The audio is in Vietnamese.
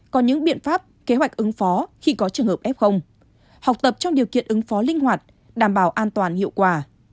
có những biện pháp kế hoạch ứng phó khi có trường hợp f học tập trong điều kiện ứng phó linh hoạt đảm bảo an toàn hiệu quả